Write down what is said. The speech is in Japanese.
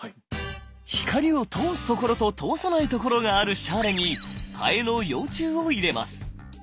光を通す所と通さない所があるシャーレにハエの幼虫を入れます。